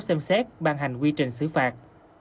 xem xét bàn hành quy trình xử phạt